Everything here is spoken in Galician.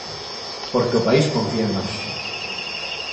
Porque o país confía en nós.